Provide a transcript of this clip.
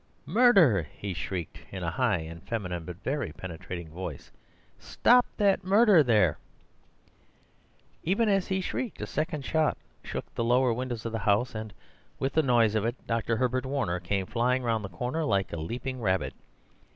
"Murder!" he shrieked, in a high and feminine but very penetrating voice. "Stop that murderer there!" Even as he shrieked a second shot shook the lower windows of the house, and with the noise of it Dr. Herbert Warner came flying round the corner like a leaping rabbit.